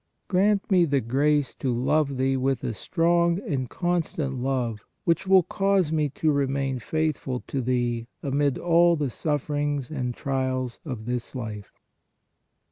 Grant me the grace to love Thee with a strong and constant love which will cause me to remain faithful to Thee amid all the sufferings and trials of this life.